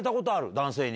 男性に。